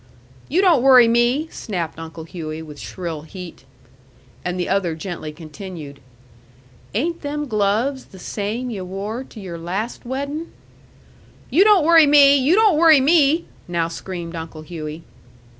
"You don't worry me!" snapped Uncle Hughey, with shrill heat. And the other gently continued, "Ain't them gloves the same yu' wore to your last weddin'?" "You don't worry me! You don't worry me!" now screamed Uncle Hughey.